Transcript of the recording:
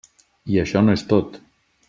I això no és tot.